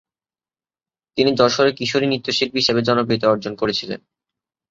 তিনি যশোরে কিশোরী নৃত্যশিল্পী হিসাবে জনপ্রিয়তা অর্জন করেছিলেন।